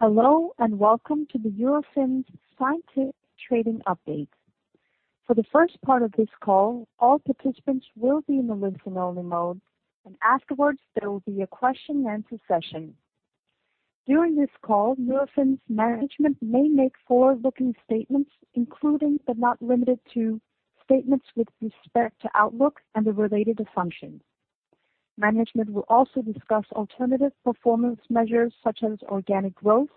Hello, and welcome to the Eurofins Scientific Trading Update. For the first part of this call, all participants will be in the listen only mode, and afterwards there will be a question and answer session. During this call, Eurofins management may make forward-looking statements, including, but not limited to statements with respect to outlook and the related functions. Management will also discuss alternative performance measures such as organic growth,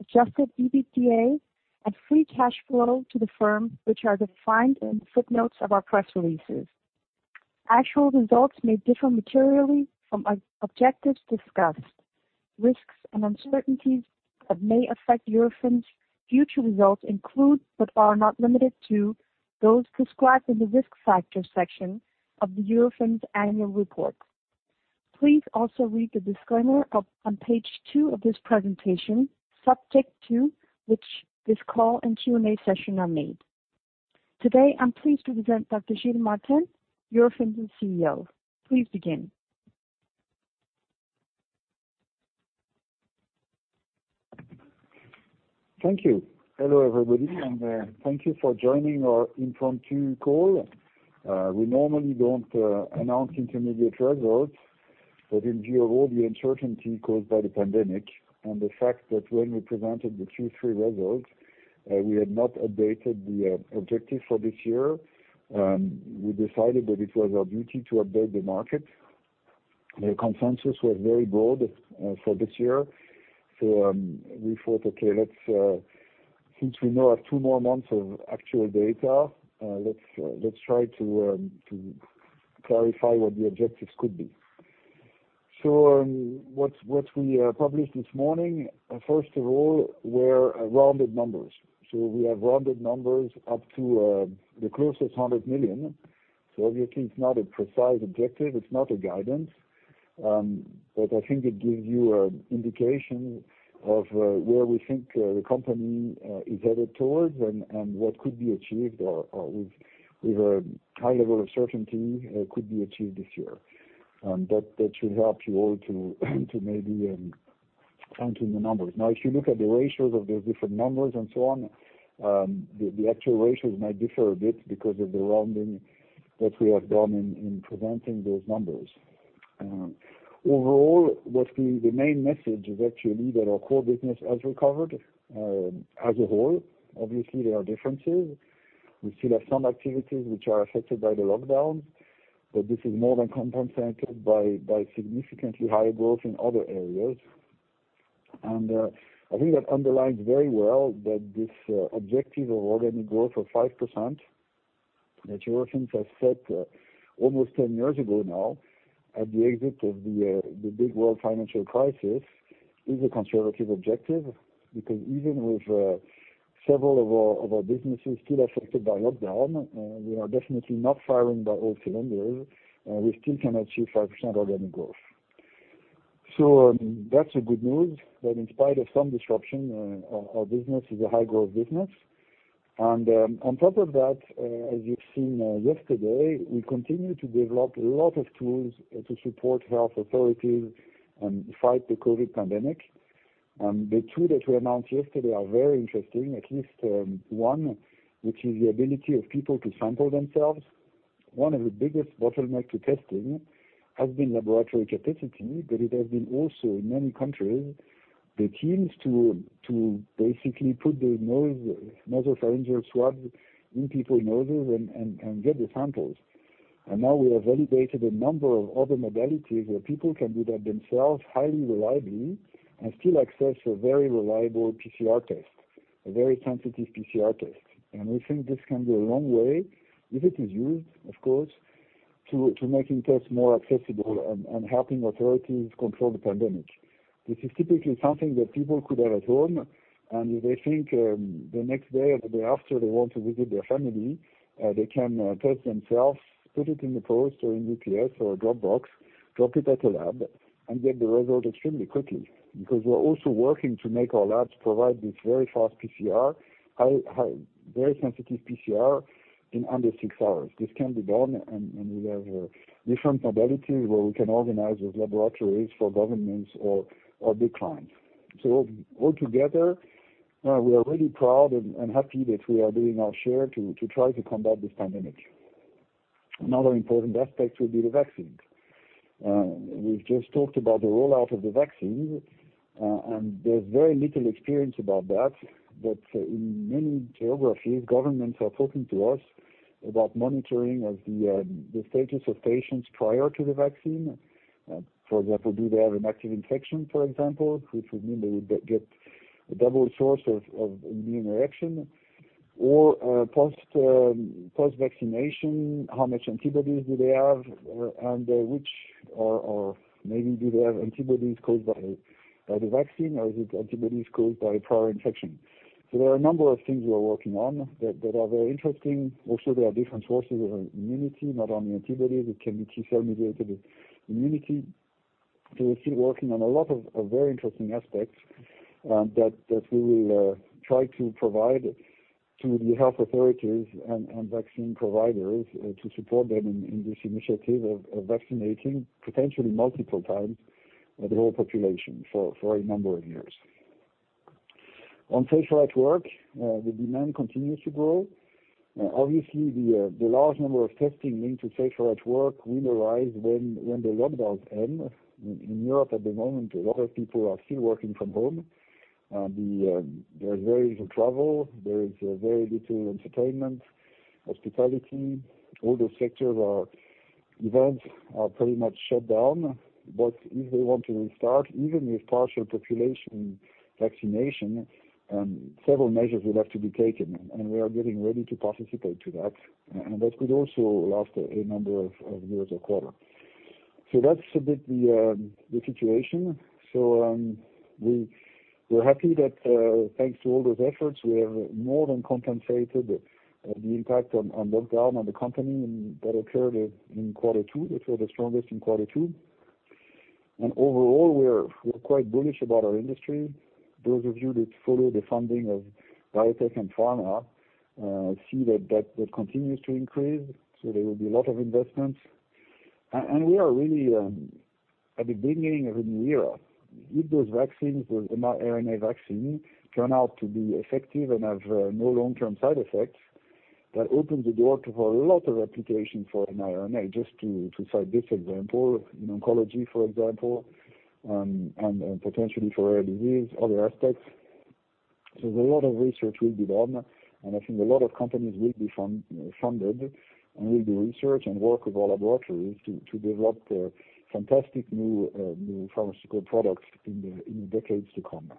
adjusted EBITDA, and free cash flow to the firm, which are defined in footnotes of our press releases. Actual results may differ materially from objectives discussed. Risks and uncertainties that may affect Eurofins future results include, but are not limited to, those described in the risk factor section of the Eurofins annual report. Please also read the disclaimer on page two of this presentation, subject to which this call and Q&A session are made. Today, I'm pleased to present Dr Gilles Martin, Eurofins' CEO. Please begin. Thank you. Hello everybody, and thank you for joining our impromptu call. We normally don't announce intermediate results, but in view of all the uncertainty caused by the pandemic and the fact that when we presented the Q3 results, we had not updated the objective for this year, we decided that it was our duty to update the market. The consensus was very broad for this year. We thought, okay, since we now have two more months of actual data, let's try to clarify what the objectives could be. What we published this morning, first of all, were rounded numbers. We have rounded numbers up to the closest 100 million. Obviously it's not a precise objective, it's not a guidance. I think it gives you an indication of where we think the company is headed towards and what could be achieved or with a high level of certainty could be achieved this year. That should help you all to maybe count in the numbers. If you look at the ratios of the different numbers and so on, the actual ratios might differ a bit because of the rounding that we have done in presenting those numbers. Overall, what the main message is actually that our core business has recovered as a whole. Obviously, there are differences. We still have some activities which are affected by the lockdowns, but this is more than compensated by significantly higher growth in other areas. I think that underlines very well that this objective of organic growth of 5% that Eurofins has set almost 10 years ago now at the exit of the big world financial crisis, is a conservative objective. Even with several of our businesses still affected by lockdown, we are definitely not firing by all cylinders, we still can achieve 5% organic growth. That's a good news, that in spite of some disruption, our business is a high growth business. On top of that, as you've seen yesterday, we continue to develop a lot of tools to support health authorities and fight the COVID pandemic. The two that we announced yesterday are very interesting. At least one, which is the ability of people to sample themselves. One of the biggest bottleneck to testing has been laboratory capacity, but it has been also in many countries, the teams to basically put the nasopharyngeal swabs in people noses and get the samples. Now we have validated a number of other modalities where people can do that themselves highly reliably and still access a very reliable PCR test, a very sensitive PCR test. We think this can go a long way, if it is used, of course, to making tests more accessible and helping authorities control the pandemic. This is typically something that people could have at home, and if they think the next day or the day after they want to visit their family, they can test themselves, put it in the post or in UPS or a dropbox, drop it at a lab, and get the result extremely quickly. We're also working to make our labs provide this very fast PCR, very sensitive PCR, in under six hours. This can be done, and we have different modalities where we can organize those laboratories for governments or big clients. Altogether, we are really proud and happy that we are doing our share to try to combat this pandemic. Another important aspect will be the vaccine. We've just talked about the rollout of the vaccine, and there's very little experience about that. In many geographies, governments are talking to us about monitoring of the status of patients prior to the vaccine. For example, do they have an active infection, for example, which would mean they would get a double source of immune reaction? Or post vaccination, how much antibodies do they have, or maybe do they have antibodies caused by the vaccine, or is it antibodies caused by prior infection? There are a number of things we are working on that are very interesting. There are different sources of immunity, not only antibodies, it can be T cell mediated immunity. We're still working on a lot of very interesting aspects that we will try to provide to the health authorities and vaccine providers to support them in this initiative of vaccinating potentially multiple times the whole population for a number of years. On Safer at Work, the demand continues to grow. The large number of testing linked to Safer at Work will rise when the lockdowns end. In Europe at the moment, a lot of people are still working from home. There is very little travel. There is very little entertainment, hospitality, all those sectors, events are pretty much shut down. If they want to restart, even with partial population vaccination, several measures will have to be taken, and we are getting ready to participate to that. That could also last a number of years or quarter. That's a bit the situation. We're happy that, thanks to all those efforts, we have more than compensated the impact on lockdown on the company, and that occurred in quarter two, which were the strongest in quarter two. Overall, we're quite bullish about our industry. Those of you that follow the funding of biotech and pharma see that that continues to increase. There will be a lot of investments. We are really at the beginning of a new era. If those vaccines, those mRNA vaccines, turn out to be effective and have no long-term side effects, that opens the door to a lot of applications for mRNA, just to cite this example, in oncology, for example, and potentially for rare disease, other aspects. A lot of research will be done, and I think a lot of companies will be funded, and will do research and work with our laboratories to develop fantastic new pharmaceutical products in decades to come.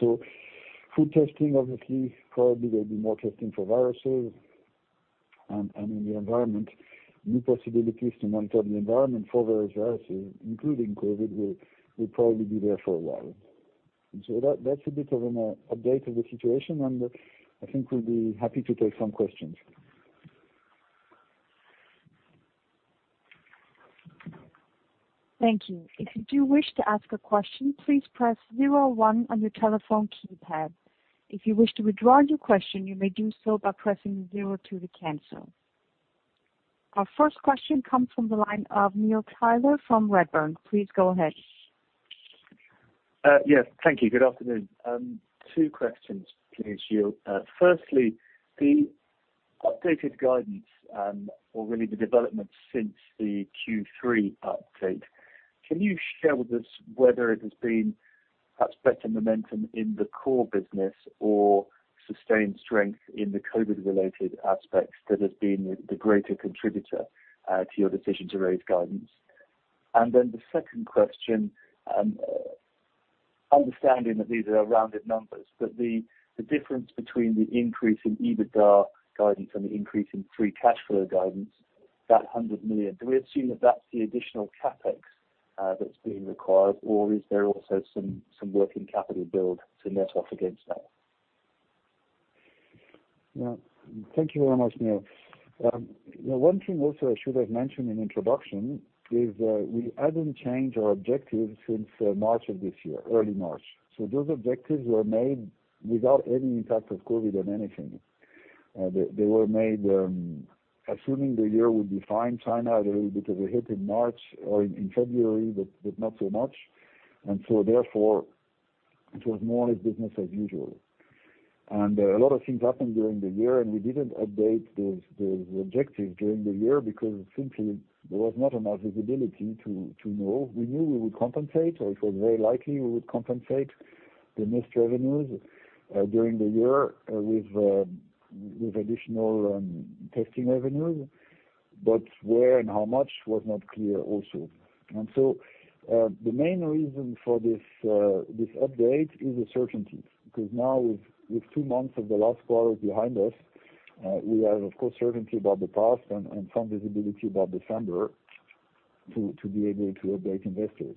Food testing, obviously, probably there'll be more testing for viruses. In the environment, new possibilities to monitor the environment for various viruses, including COVID, will probably be there for a while. That's a bit of an update of the situation, and I think we'll be happy to take some questions. Thank you. If you do wish to ask a question, please press zero one on your telephone keypad. If you wish to withdraw your question, you may do so by pressing zero two to cancel. Our first question comes from the line of Neil Tyler from Redburn. Please go ahead. Yes. Thank you. Good afternoon. Two questions, please, Gilles. Firstly, the updated guidance, or really the development since the Q3 update, can you share with us whether it has been perhaps better momentum in the core business or sustained strength in the COVID-related aspects that has been the greater contributor to your decision to raise guidance? Then the second question, understanding that these are rounded numbers, but the difference between the increase in EBITDA guidance and the increase in free cash flow guidance, that 100 million, do we assume that that's the additional CapEx that's being required, or is there also some working capital build to net off against that? Yeah. Thank you very much, Neil. One thing also I should have mentioned in introduction is we hadn't changed our objective since March of this year, early March. Those objectives were made without any impact of COVID on anything. They were made assuming the year would be fine. China took a hit in March or in February, not so much. Therefore, it was more like business as usual. A lot of things happened during the year, and we didn't update those objectives during the year because simply there was not enough visibility to know. We knew we would compensate, or it was very likely we would compensate the missed revenues during the year with additional testing revenues. Where and how much was not clear also. The main reason for this update is the certainty, because now with two months of the last quarter behind us, we have, of course, certainty about the past and some visibility about December to be able to update investors.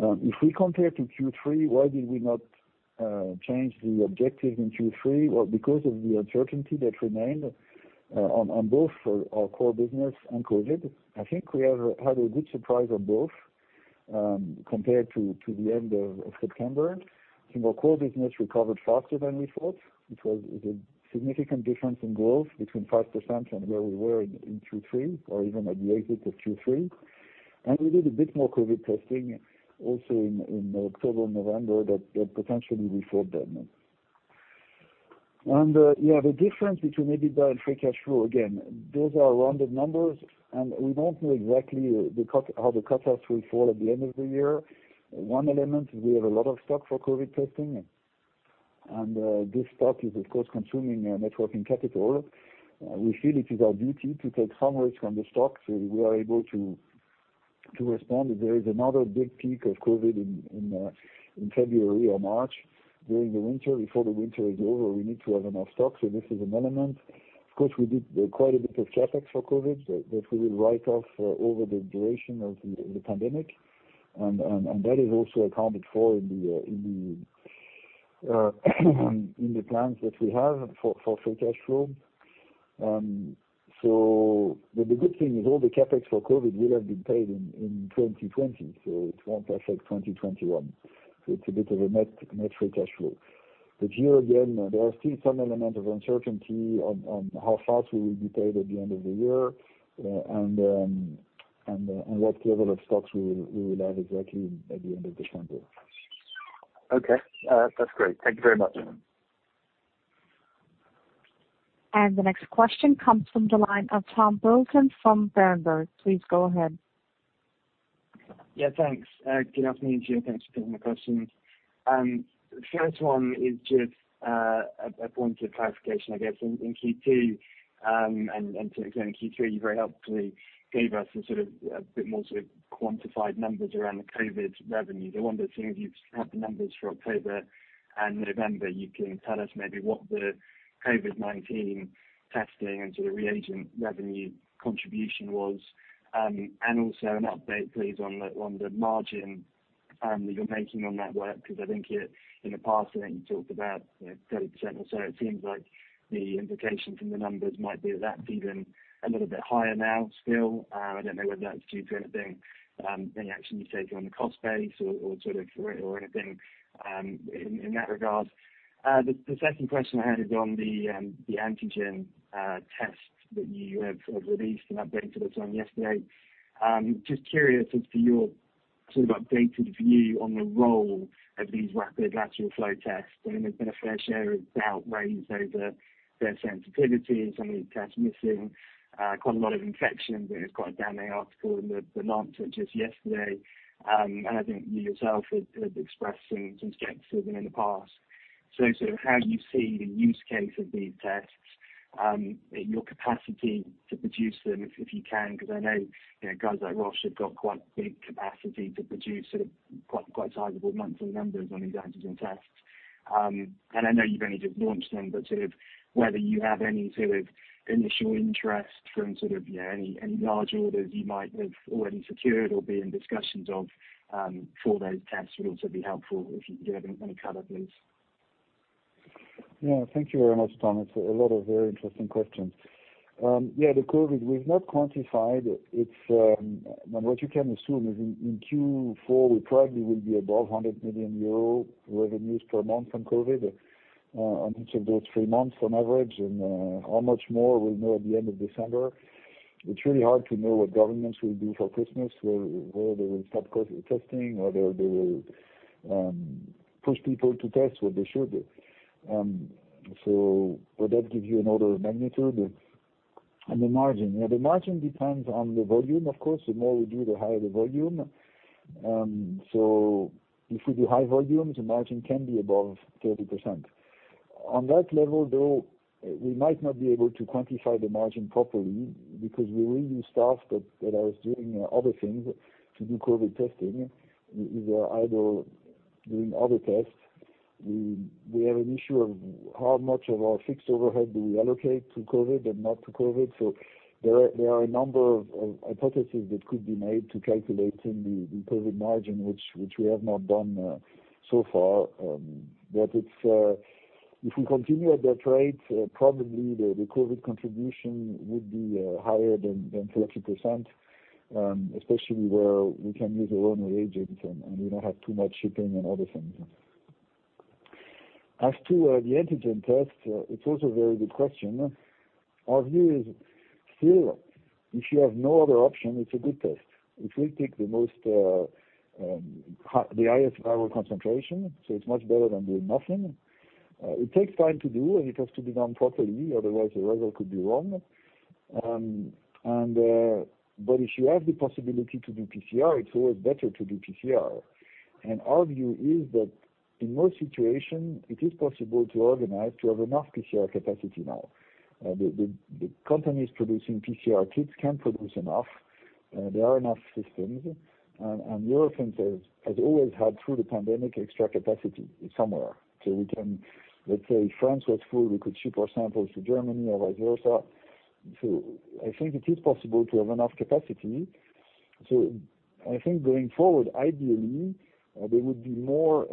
If we compare to Q3, why did we not change the objective in Q3? Well, because of the uncertainty that remained on both our core business and COVID. I think we have had a good surprise on both, compared to the end of September. Our core business recovered faster than we thought, which was a significant difference in growth between 5% and where we were in Q3, or even at the exit of Q3. We did a bit more COVID testing also in October, November, that potentially we thought then. Yeah, the difference between EBITDA and free cash flow, again, those are rounded numbers, and we don't know exactly how the cutoffs will fall at the end of the year. One element is we have a lot of stock for COVID testing, and this stock is, of course, consuming net working capital. We feel it is our duty to take some risk on the stock so we are able to respond if there is another big peak of COVID in February or March during the winter. Before the winter is over, we need to have enough stock, so this is an element. Of course, we did quite a bit of CapEx for COVID that we will write off over the duration of the pandemic. That is also accounted for in the plans that we have for free cash flow. The good thing is all the CapEx for COVID will have been paid in 2020, so it won't affect 2021. It's a bit of a net free cash flow. Here again, there are still some element of uncertainty on how fast we will be paid at the end of the year and what level of stocks we will have exactly at the end of December. Okay. That's great. Thank you very much. The next question comes from the line of Tom Musson from Berenberg. Please go ahead. Yeah, thanks. Good afternoon to you, and thanks for taking the questions. First one is just a point of clarification, I guess. In Q2, and to an extent in Q3, you very helpfully gave us a bit more quantified numbers around the COVID revenue. I wonder, seeing as you have the numbers for October and November, you can tell us maybe what the COVID-19 testing and reagent revenue contribution was. Also an update please, on the margin that you're making on that work, because I think in the past, you talked about 30% or so. It seems like the implication from the numbers might be that's even a little bit higher now still. I don't know whether that's due to anything, any action you've taken on the cost base or anything in that regard. The second question I had is on the antigen test that you have sort of released an update to the time yesterday. Just curious as to your sort of updated view on the role of these rapid lateral flow tests. I mean, there's been a fair share of doubt raised over their sensitivity, some of these tests missing quite a lot of infections. There was quite a damning article in The Lancet just yesterday. I think you yourself had expressed some skepticism in the past. Sort of how you see the use case of these tests, your capacity to produce them, if you can, because I know guys like Roche have got quite big capacity to produce sort of quite sizable monthly numbers on these antigen tests. I know you've only just launched them, but sort of whether you have any sort of initial interest from sort of any large orders you might have already secured or be in discussions of for those tests would also be helpful, if you have any color, please. Thank you very much, Tom. It's a lot of very interesting questions. The COVID, we've not quantified. What you can assume is in Q4, we probably will be above €100 million revenues per month from COVID on each of those three months on average. How much more we'll know at the end of December. It's really hard to know what governments will do for Christmas, whether they will stop COVID testing, whether they will push people to test, what they should do. That gives you an order of magnitude. The margin. The margin depends on the volume, of course. The more we do, the higher the volume. If we do high volumes, the margin can be above 30%. On that level, though, we might not be able to quantify the margin properly because we reuse staff that was doing other things to do COVID testing. They are either doing other tests. We have an issue of how much of our fixed overhead do we allocate to COVID and not to COVID. There are a number of hypotheses that could be made to calculating the COVID margin, which we have not done so far. If we continue at that rate, probably the COVID contribution would be higher than 30%, especially where we can use our own reagents, and we don't have too much shipping and other things. As to the antigen test, it's also a very good question. Our view is still, if you have no other option, it's a good test. It will take the highest viral concentration, so it's much better than doing nothing. It takes time to do, and it has to be done properly, otherwise the result could be wrong. If you have the possibility to do PCR, it's always better to do PCR. Our view is that in most situations it is possible to organize to have enough PCR capacity now. The companies producing PCR kits can produce enough. There are enough systems. Eurofins has always had, through the pandemic, extra capacity somewhere. Let's say France was full, we could ship our samples to Germany or vice versa. I think it is possible to have enough capacity. I think going forward, ideally, there would be more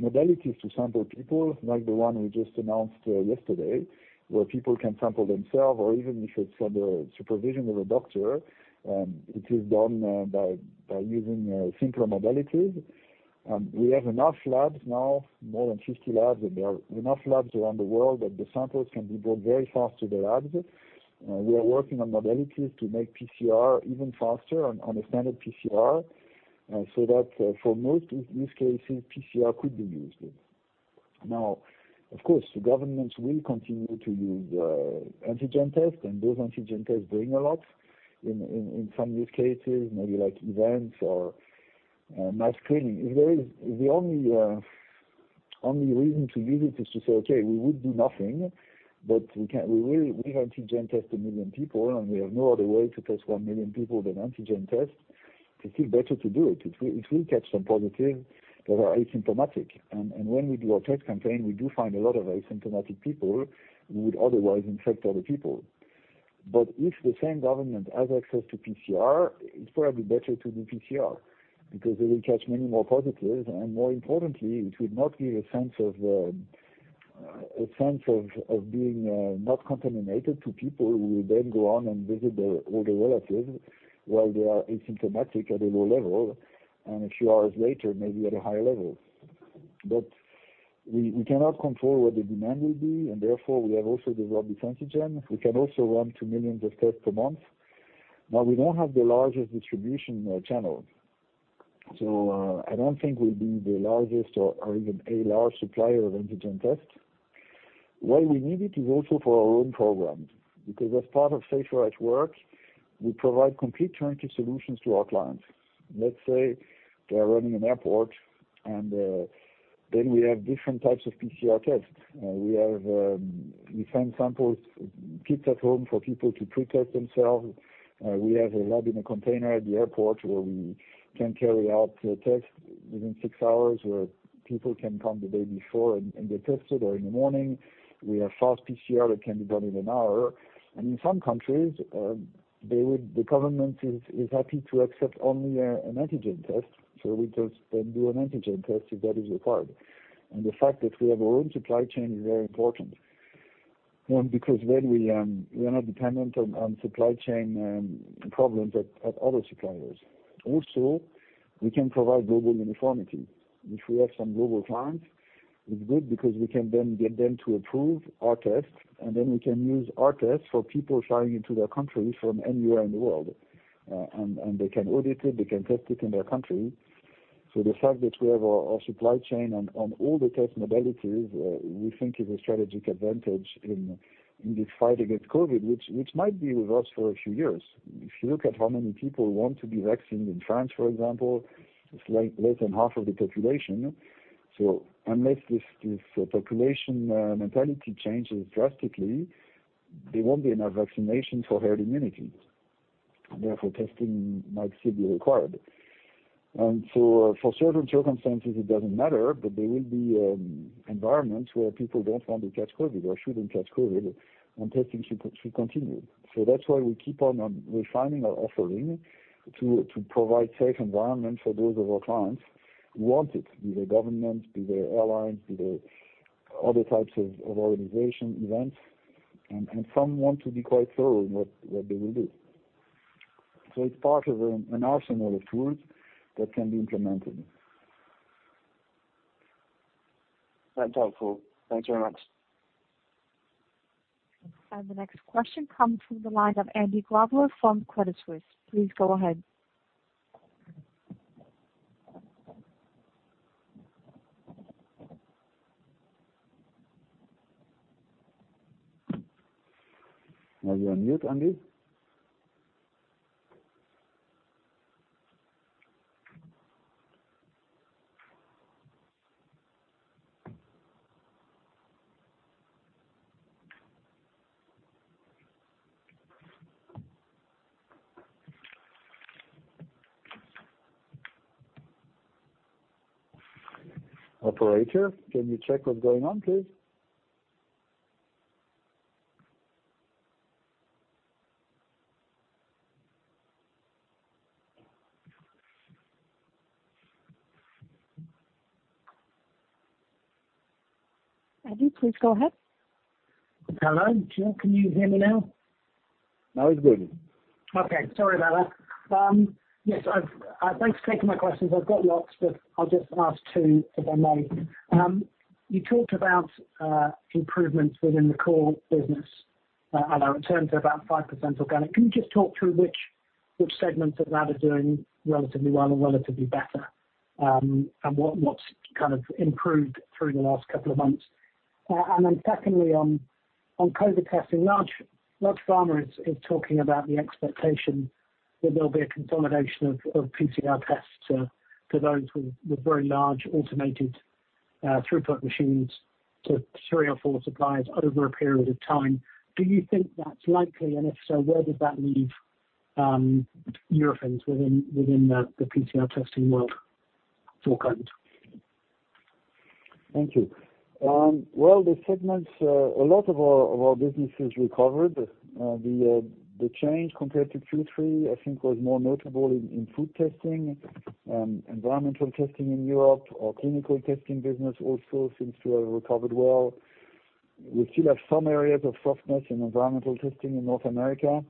modalities to sample people, like the one we just announced yesterday, where people can sample themselves, or even if it's under supervision of a doctor, it is done by using simpler modalities. We have enough labs now, more than 50 labs, and there are enough labs around the world that the samples can be brought very fast to the labs. We are working on modalities to make PCR even faster on a standard PCR, so that for most use cases, PCR could be used. Now, of course, the governments will continue to use antigen tests, and those antigen tests bring a lot in some use cases, maybe like events or mass screening. If the only reason to use it is to say, "Okay, we would do nothing, but we antigen test 1 million people, and we have no other way to test 1 million people than antigen test," it's still better to do it. It will catch some positive that are asymptomatic. When we do our test campaign, we do find a lot of asymptomatic people who would otherwise infect other people. If the same government has access to PCR, it is probably better to do PCR because it will catch many more positives. More importantly, it will not give a sense of being not contaminated to people who will then go on and visit all their relatives while they are asymptomatic at a low level, and a few hours later, maybe at a higher level. We cannot control what the demand will be, and therefore, we have also developed this antigen. We can also run to millions of tests per month. Now, we don't have the largest distribution channels. I don't think we will be the largest or even a large supplier of antigen tests. Why we need it is also for our own programs. Because as part of Safer at Work, we provide complete turnkey solutions to our clients. Let's say they are running an airport, we have different types of PCR tests. We send samples, kits at home for people to pre-test themselves. We have a lab in a container at the airport where we can carry out tests within six hours, where people can come the day before and get tested, or in the morning. We have fast PCR that can be done in an hour. In some countries, the government is happy to accept only an antigen test. We just then do an antigen test if that is required. The fact that we have our own supply chain is very important. One, because then we are not dependent on supply chain problems at other suppliers. Also, we can provide global uniformity. If we have some global clients, it's good because we can then get them to approve our test, and then we can use our test for people flying into their country from anywhere in the world. They can audit it, they can test it in their country. The fact that we have our supply chain on all the test modalities, we think is a strategic advantage in this fight against COVID, which might be with us for a few years. If you look at how many people want to be vaccinated in France, for example, it's less than half of the population. Unless this population mentality changes drastically, there won't be enough vaccination for herd immunity. Therefore, testing might still be required. For certain circumstances, it doesn't matter, but there will be environments where people don't want to catch COVID or shouldn't catch COVID, and testing should continue. That's why we keep on refining our offering to provide safe environments for those of our clients who want it, be they government, be they airlines, be they other types of organization, events. Some want to be quite thorough in what they will do. It's part of an arsenal of tools that can be implemented. That's helpful. Thanks very much. The next question comes from the line of Andy Glover from Credit Suisse. Please go ahead. Are you on mute, Andy? Operator, can you check what's going on, please? Andy, please go ahead. Hello. Gilles, can you hear me now? Now it's good. Okay. Sorry about that. Yes. Thanks for taking my questions. I've got lots, but I'll just ask two, if I may. You talked about improvements within the core business and return to about 5% organic. Can you just talk through which segments of that are doing relatively well or relatively better? What's improved through the last couple of months? Secondly, on COVID testing, large pharma is talking about the expectation that there'll be a consolidation of PCR tests to those with very large automated throughput machines to three or four suppliers over a period of time. Do you think that's likely? If so, where does that leave Eurofins within the PCR testing world for COVID? Thank you. Well, the segments, a lot of our businesses recovered. The change compared to Q3, I think, was more notable in food testing and environmental testing in Europe. Our clinical testing business also seems to have recovered well. We still have some areas of softness in environmental testing in North America,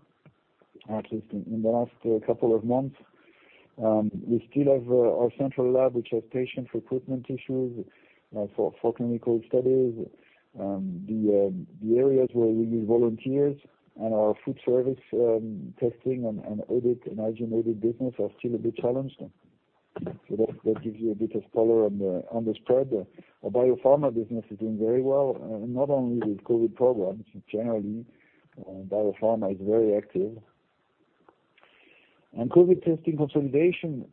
at least in the last couple of months. We still have our central lab, which has patient recruitment issues for clinical studies. The areas where we use volunteers and our food service testing and audit and hygiene audit business are still a bit challenged. That gives you a bit of color on the spread. Our biopharma business is doing very well, not only with COVID programs. Generally, biopharma is very active. COVID testing consolidation,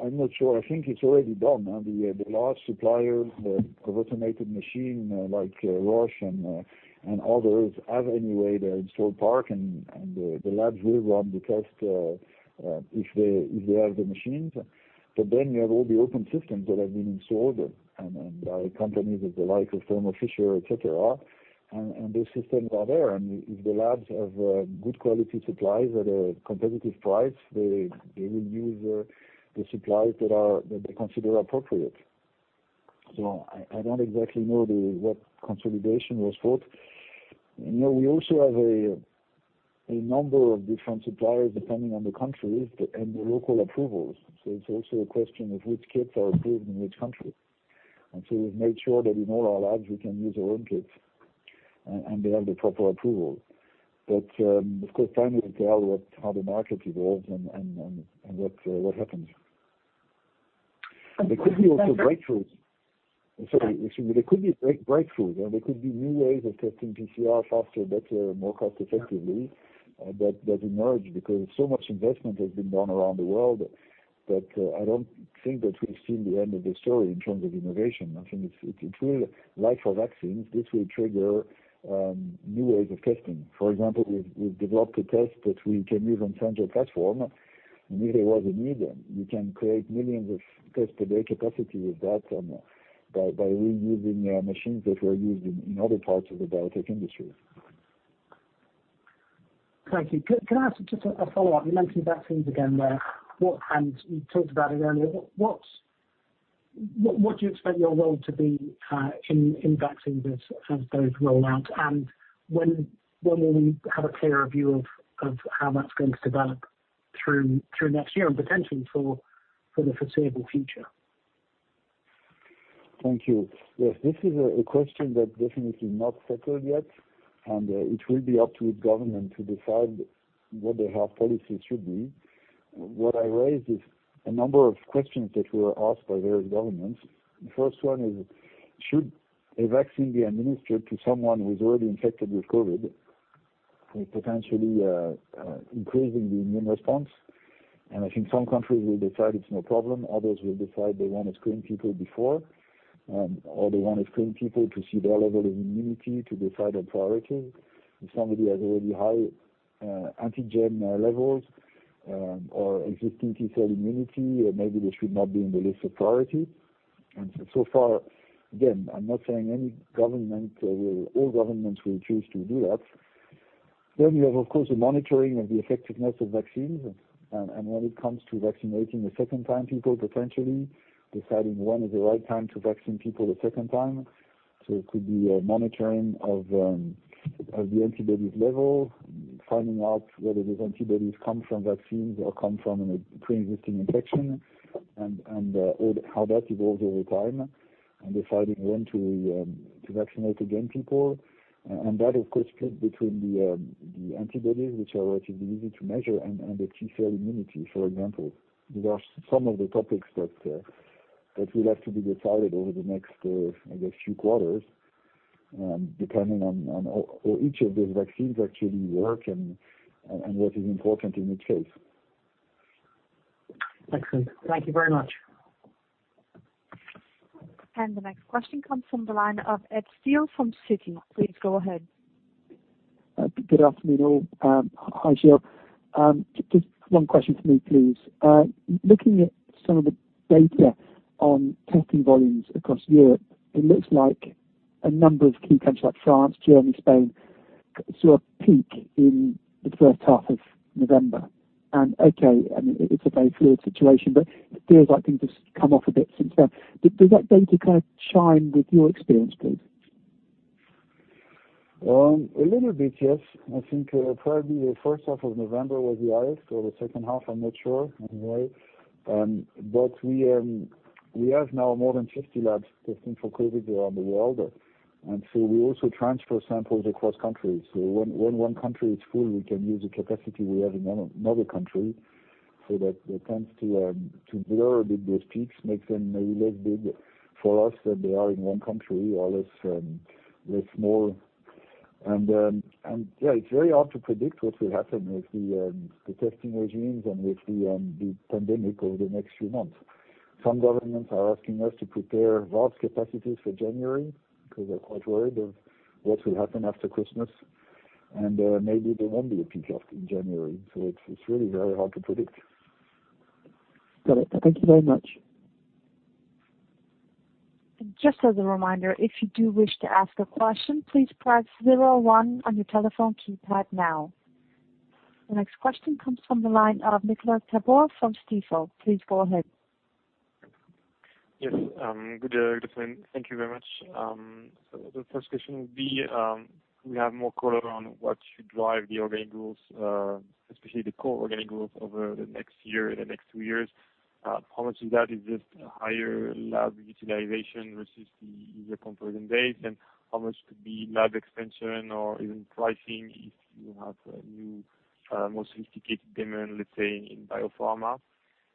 I'm not sure. I think it's already done. The large suppliers of automated machine, like Roche and others, have anyway their installed park, and the labs will run the test if they have the machines. You have all the open systems that have been installed, and by companies of the like of Thermo Fisher, et cetera. Those systems are there. If the labs have good quality supplies at a competitive price, they will use the supplies that they consider appropriate. I don't exactly know what consolidation was for. We also have a number of different suppliers depending on the countries and the local approvals. It's also a question of which kits are approved in which country. We've made sure that in all our labs we can use our own kits, and they have the proper approval. Of course, time will tell how the market evolves and what happens. There could be also breakthroughs. Sorry. Excuse me. There could be breakthroughs, and there could be new ways of testing PCR faster, better, more cost effectively that emerge because so much investment has been done around the world that I don't think that we've seen the end of the story in terms of innovation. I think it will, like for vaccines, this will trigger new ways of testing. For example, we've developed a test that we can use on Centaur platform, and if there was a need, we can create millions of tests per day capacity with that by reusing machines that were used in other parts of the biotech industry. Thank you. Can I ask just a follow-up? You mentioned vaccines again there. You talked about it earlier. What do you expect your role to be in vaccines as those roll out? When will we have a clearer view of how that's going to develop through next year and potentially for the foreseeable future? Thank you. Yes. This is a question that definitely not settled yet. It will be up to each government to decide what their health policy should be. What I raised is a number of questions that were asked by various governments. The first one is, should a vaccine be administered to someone who's already infected with COVID, potentially increasing the immune response? I think some countries will decide it's no problem. Others will decide they want to screen people before, or they want to screen people to see their level of immunity to decide on priority. If somebody has already high antigen levels or existing T cell immunity, maybe they should not be in the list of priority. So far, again, I'm not saying all governments will choose to do that. You have, of course, the monitoring of the effectiveness of vaccines, and when it comes to vaccinating a second time people potentially, deciding when is the right time to vaccine people a second time. It could be a monitoring of the antibodies level, finding out whether these antibodies come from vaccines or come from a preexisting infection and how that evolves over time, and deciding when to vaccinate again people. That, of course, split between the antibodies, which are relatively easy to measure and the T cell immunity, for example. These are some of the topics that will have to be decided over the next, I guess, few quarters, depending on how each of these vaccines actually work and what is important in each case. Excellent. Thank you very much. The next question comes from the line of Ed Steele from Citi. Please go ahead. Good afternoon, all. Hi, Gilles. Just one question from me, please. Looking at some of the data on testing volumes across Europe, it looks like a number of key countries like France, Germany, Spain, saw a peak in the H1 of November. Okay, it's a very fluid situation, but it feels like things have come off a bit since then. Does that data kind of chime with your experience, please? A little bit, yes. I think probably the H1 of November was the highest or the H2, I'm not sure, anyway. We have now more than 50 labs testing for COVID around the world. We also transfer samples across countries. When one country is full, we can use the capacity we have in another country, so that it tends to blur a bit those peaks, make them maybe less big for us than they are in one country or less small. Yeah, it's very hard to predict what will happen with the testing regimes and with the pandemic over the next few months. Some governments are asking us to prepare vast capacities for January because they're quite worried of what will happen after Christmas. Maybe there won't be a peak in January. It's really very hard to predict. Got it. Thank you very much. Just as a reminder, if you do wish to ask a question, please press zero one on your telephone keypad now. The next question comes from the line of Nicolas Tabor from Stifel. Please go ahead. Yes. Good afternoon. Thank you very much. The first question would be, we have more color on what should drive the organic growth, especially the core organic growth over the next year, the next two years. How much of that is just higher lab utilization versus the easier comparison base? How much could be lab expansion or even pricing if you have new, more sophisticated demand, let's say, in biopharma?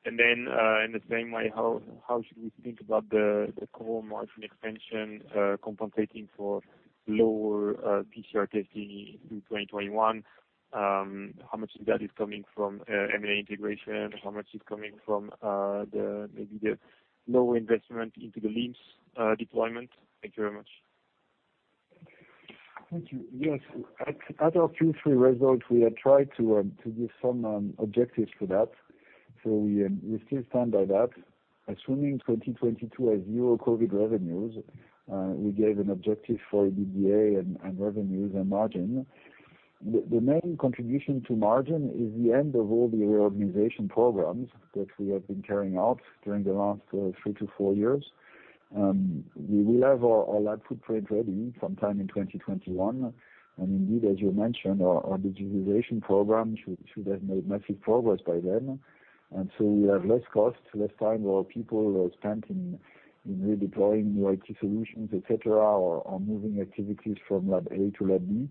In the same way, how should we think about the core margin expansion compensating for lower PCR testing through 2021? How much of that is coming from M&A integration? How much is coming from maybe the lower investment into the LIMS deployment? Thank you very much. Thank you. Yes. At our Q3 results, we had tried to give some objectives for that. So we still stand by that, assuming 2022 has zero COVID revenues. We gave an objective for EBITDA and revenues and margin. The main contribution to margin is the end of all the reorganization programs that we have been carrying out during the last three to four years. We will have our lab footprint ready sometime in 2021. Indeed, as you mentioned, our digitalization program should have made massive progress by then. So we have less costs, less time our people are spent in redeploying new IT solutions, et cetera, or moving activities from lab A to lab B.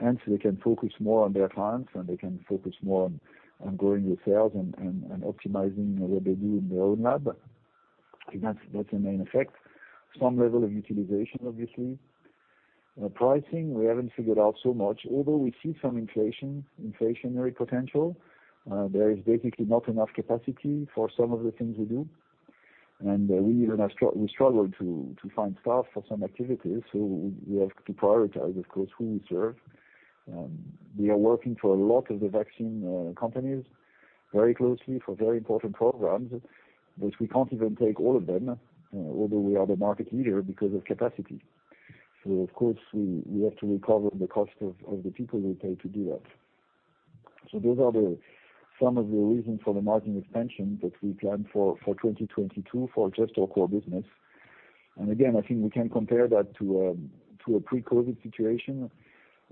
Hence they can focus more on their clients, and they can focus more on growing the sales and optimizing what they do in their own lab. I think that's the main effect. Some level of utilization, obviously. Pricing, we haven't figured out so much, although we see some inflationary potential. There is basically not enough capacity for some of the things we do, and we struggle to find staff for some activities, so we have to prioritize, of course, who we serve. We are working for a lot of the vaccine companies very closely for very important programs, but we can't even take all of them, although we are the market leader because of capacity. Of course, we have to recover the cost of the people we pay to do that. Those are some of the reasons for the margin expansion that we plan for 2022 for just our core business. Again, I think we can compare that to a pre-COVID situation.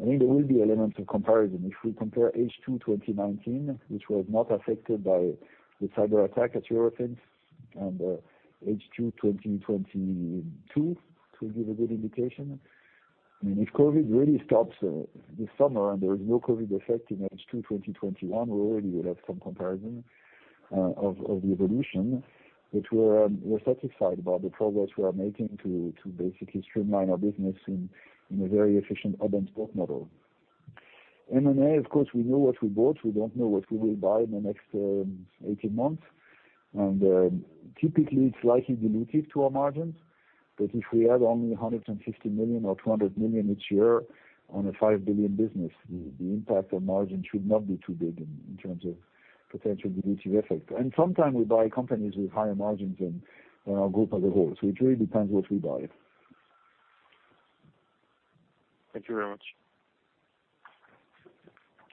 I think there will be elements of comparison. If we compare H2 2019, which was not affected by the cyber attack at Eurofins, and H2 2022 to give a good indication. If COVID really stops this summer and there is no COVID effect in H2 2021, we already will have some comparison of the evolution, but we're satisfied about the progress we are making to basically streamline our business in a very efficient hub and spoke model. M&A, of course, we know what we bought. We don't know what we will buy in the next 18 months. Typically, it's slightly dilutive to our margins. If we add only 150 million or 200 million each year on a 5 billion business, the impact on margin should not be too big in terms of potential dilutive effect. Sometime we buy companies with higher margins than our group as a whole. It really depends what we buy. Thank you very much.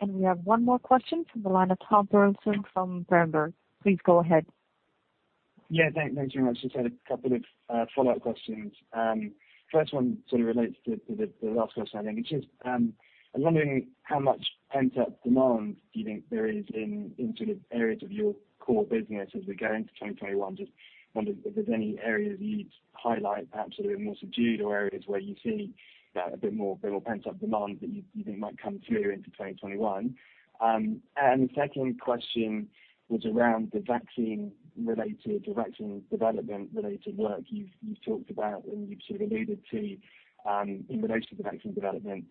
We have one more question from the line of Tom Sanderson from Berenberg. Please go ahead. Yeah, thanks very much. Just had a couple of follow-up questions. First one sort of relates to the last question, I think. It's just, I'm wondering how much pent-up demand do you think there is in sort of areas of your core business as we go into 2021? Just wondered if there's any areas you'd highlight, perhaps a bit more subdued, or areas where you see a bit more pent-up demand that you think might come through into 2021. The second question was around the vaccine-related or vaccine development-related work you've talked about and you've sort of alluded to in relation to vaccine development.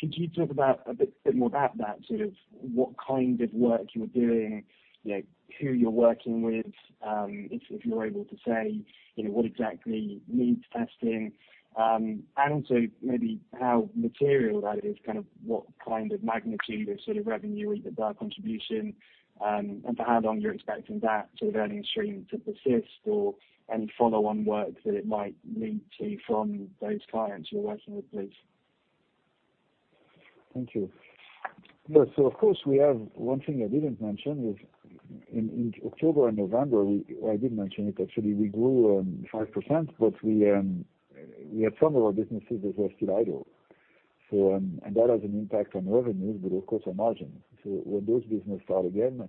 Could you talk a bit more about that, sort of what kind of work you're doing, who you're working with, if you're able to say, what exactly needs testing, and also maybe how material that is, kind of what kind of magnitude of sort of revenue either by contribution, and for how long you're expecting that sort of earning stream to persist or any follow-on work that it might lead to from those clients you're working with, please? Thank you. Yeah. Of course, we have one thing I didn't mention is in October and November, I did mention it actually, we grew 5%, but we had some of our businesses that were still idle. That has an impact on revenues, but of course, on margins. When those business start again,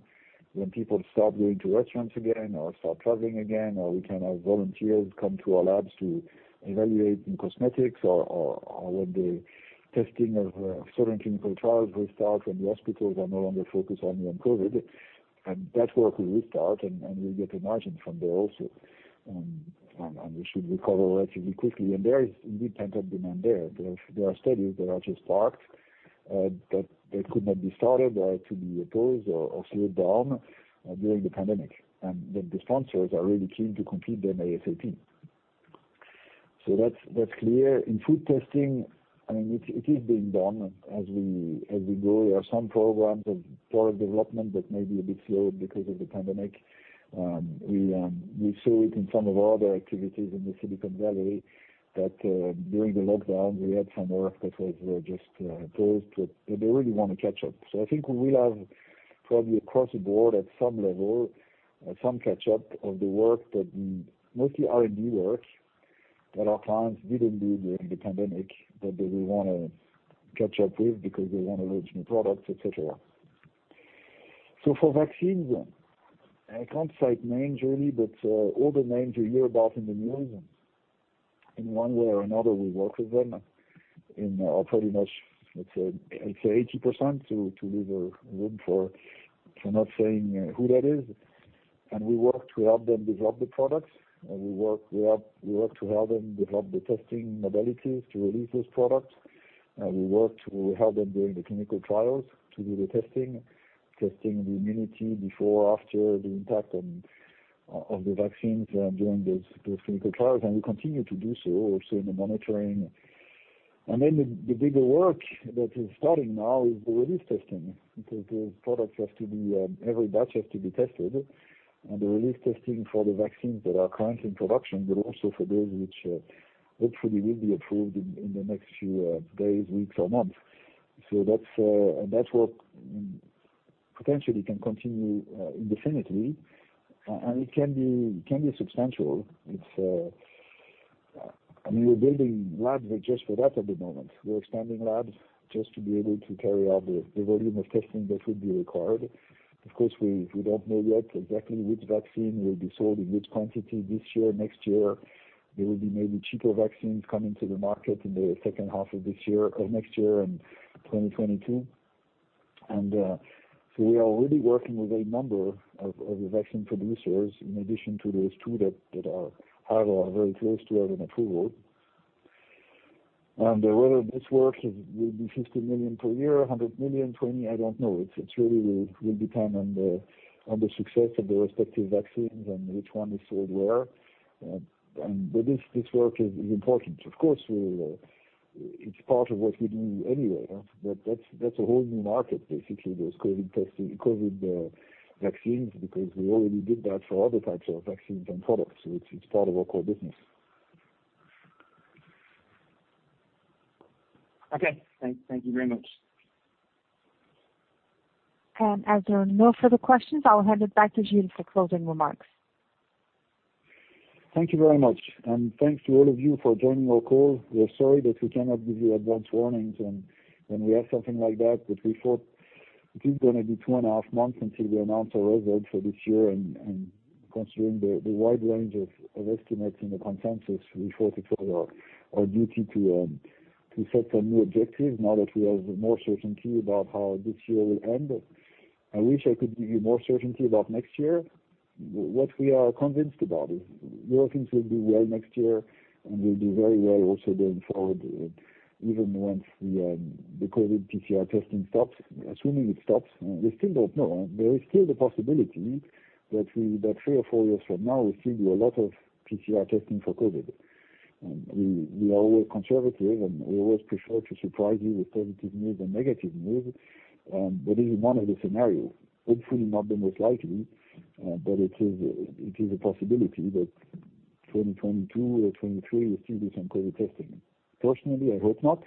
when people start going to restaurants again or start traveling again, or we can have volunteers come to our labs to evaluate in cosmetics or when the testing of certain clinical trials will start when the hospitals are no longer focused only on COVID, and that work will restart, and we'll get a margin from there also. We should recover relatively quickly. There is indeed pent-up demand there. There are studies that are just parked that could not be started or had to be postponed or slowed down during the pandemic. The sponsors are really keen to complete them ASAP. That's clear. In food testing, it is being done as we go. There are some programs of product development that may be a bit slowed because of the pandemic. We saw it in some of our other activities in the Silicon Valley that during the lockdown, we had some work that was just paused, but they really want to catch up. I think we will have probably across the board at some level, some catch up of the work that mostly R&D work that our clients didn't do during the pandemic that they will want to catch up with because they want to launch new products, et cetera. For vaccines, I can't cite names really, but all the names you hear about in the news, in one way or another, we work with them in pretty much, let's say, 80% to leave a room for not saying who that is. We work to help them develop the products, and we work to help them develop the testing modalities to release those products. We work to help them during the clinical trials to do the testing the immunity before or after the impact of the vaccines during those clinical trials. We continue to do so also in the monitoring. Then the bigger work that is starting now is the release testing, because those products, every batch has to be tested. The release testing for the vaccines that are currently in production, but also for those which hopefully will be approved in the next few days, weeks, or months. That work potentially can continue indefinitely, and it can be substantial. We're building labs just for that at the moment. We're expanding labs just to be able to carry out the volume of testing that would be required. Of course, we don't know yet exactly which vaccine will be sold in which quantity this year, next year. There will be maybe cheaper vaccines coming to the market in the H2 of next year and 2022. We are already working with a number of vaccine producers in addition to those two that either are very close to having approval. Whether this work will be 50 million per year, 100 million, 20 million, I don't know. It really will depend on the success of the respective vaccines and which one is sold where. This work is important. Of course, it's part of what we do anyway. That's a whole new market, basically, those COVID vaccines, because we already did that for other types of vaccines and products. It's part of our core business. Okay. Thank you very much. As there are no further questions, I will hand it back to Gilles for closing remarks. Thank you very much. Thanks to all of you for joining our call. We are sorry that we cannot give you advance warnings when we have something like that. We thought it is going to be 2 and a half months until we announce our results for this year. Considering the wide range of estimates in the consensus, we thought it was our duty to set some new objectives now that we have more certainty about how this year will end. I wish I could give you more certainty about next year. What we are convinced about is Eurofins will do well next year, and will do very well also going forward, even once the COVID PCR testing stops, assuming it stops. We still don't know. There is still the possibility that three or four years from now, we still do a lot of PCR testing for COVID. We are always conservative, and we always prefer to surprise you with positive news than negative news. This is one of the scenarios. Hopefully not the most likely, but it is a possibility that 2022 or 2023, we'll still do some COVID testing. Personally, I hope not,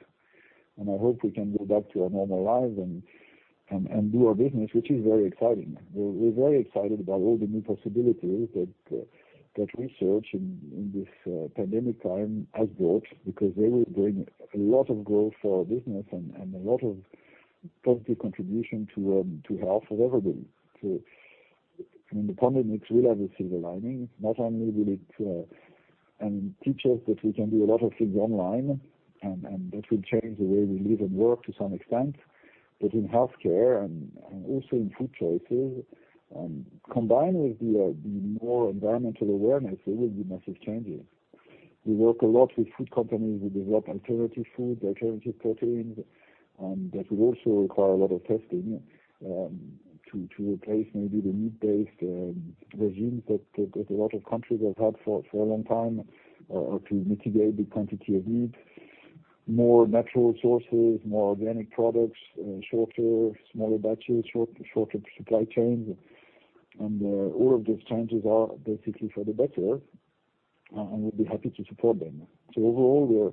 and I hope we can go back to our normal lives and do our business, which is very exciting. We're very excited about all the new possibilities that research in this pandemic time has brought, because they will bring a lot of growth for our business and a lot of positive contribution to health for everybody. The pandemic will have a silver lining. Not only will it teach us that we can do a lot of things online, and that will change the way we live and work to some extent, but in healthcare and also in food choices, combined with the more environmental awareness, there will be massive changes. We work a lot with food companies who develop alternative food, alternative proteins, that will also require a lot of testing, to replace maybe the meat-based regimes that a lot of countries have had for a long time, or to mitigate the quantity of meat. More natural sources, more organic products, shorter, smaller batches, shorter supply chains. All of those changes are basically for the better, and we'll be happy to support them. Overall, we're,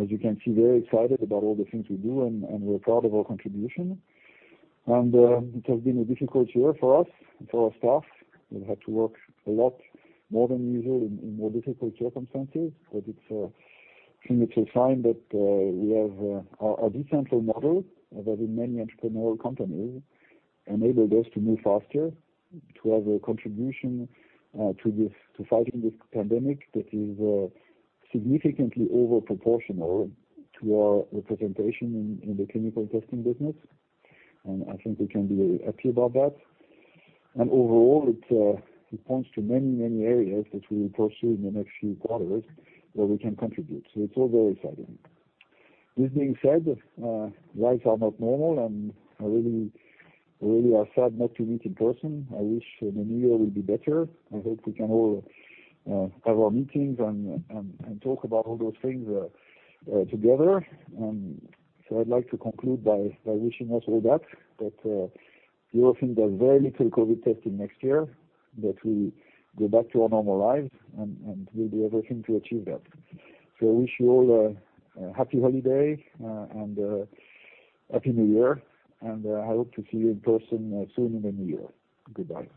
as you can see, very excited about all the things we do, and we're proud of our contribution. It has been a difficult year for us and for our staff, who've had to work a lot more than usual in more difficult circumstances. It's premature sign that our decentral model, as with many entrepreneurial companies, enabled us to move faster to have a contribution to fighting this pandemic that is significantly overproportional to our representation in the chemical testing business. I think we can be happy about that. Overall, it points to many areas that we will pursue in the next few quarters where we can contribute. It's all very exciting. This being said, lives are not normal, and I really are sad not to meet in person. I wish the new year will be better. I hope we can all have our meetings and talk about all those things together. I'd like to conclude by wishing us all that Eurofins does very little COVID testing next year, that we go back to our normal lives, and we'll do everything to achieve that. I wish you all a happy holiday and a happy New Year, and I hope to see you in person soon in the new year. Goodbye.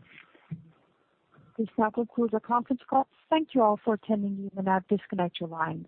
This now concludes our conference call. Thank you all for attending. You may now disconnect your lines.